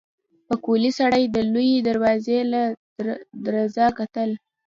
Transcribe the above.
پکولي سړي د لويې دروازې له درزه کتل.